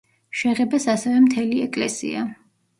შეღებეს ასევე მთელი ეკლესია.